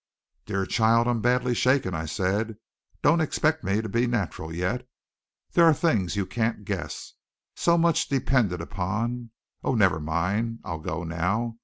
"Dear child, I'm badly shaken," I said. "Don't expect me to be natural yet. There are things you can't guess. So much depended upon Oh, never mind! I'll go now.